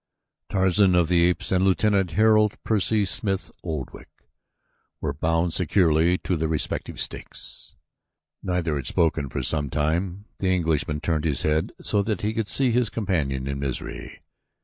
Tarzan of the Apes and Lieutenant Harold Percy Smith Oldwick were bound securely to their respective stakes. Neither had spoken for some time. The Englishman turned his head so that he could see his companion in misery.